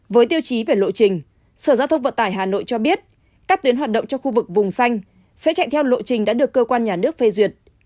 với tiêu chí về lộ trình sở giao thông vận tải hà nội cho biết các tuyến hoạt động trong khu vực vùng xanh sẽ chạy theo lộ trình đã được cơ quan nhà nước phê duyệt